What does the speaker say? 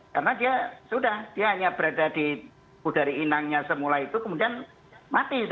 karena dia sudah dia hanya berada di budari inangnya semula itu kemudian mati